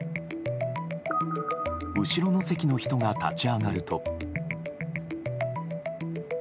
後ろの席の人が立ち上がると。